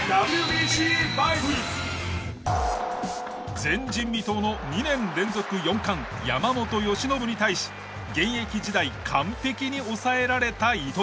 前人未到の２年連続４冠山本由伸に対し現役時代完璧に抑えられた糸井。